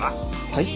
はい？